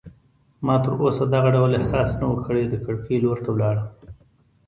ما تراوسه دغه ډول احساس نه و کړی، د کړکۍ لور ته ولاړم.